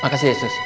makasih ya sus